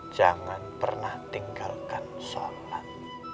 jangan pernah tinggalkan sholat